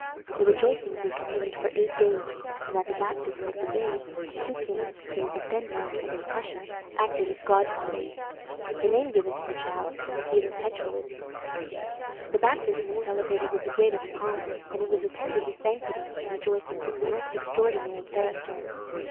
The rejoicings were continued for eight days, and at the baptism of the babe, two kings, those of Denmark and of Prussia, acted as godfathers. The name given to the child was Peter Petrowitz. The baptism was celebrated with the greatest pomp, and it was attended with banquetings and rejoicings of the most extraordinary character.